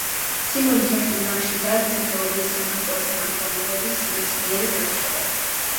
სიმონ ჯანაშიას სახელობის საქართველოს სახელმწიფო მუზეუმის მეცნიერი თანამშრომელი.